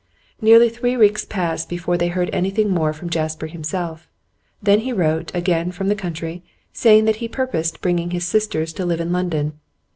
Nearly three weeks passed before they heard anything more from Jasper himself; then he wrote, again from the country, saying that he purposed bringing his sisters to live in London.